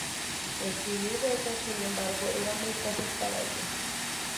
Escribir versos, sin embargo, era muy fácil para ella.